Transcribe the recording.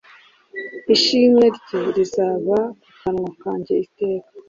ishimwe rye rizaba mu kanwa kanjye iteka.